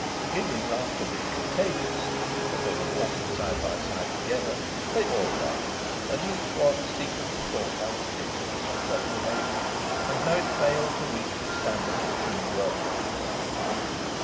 Giggling laughter being contagious, as they were walking side by side close together, they all laughed. And each one secretly thought how ridiculous was such behaviour, and how it failed to reach the standard of true worldliness.